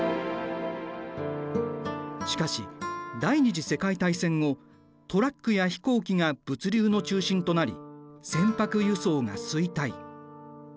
しかし第２次世界大戦後トラックや飛行機が物流の中心となり船舶輸送が衰退。